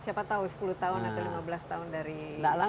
siapa tahu sepuluh tahun atau lima belas tahun dari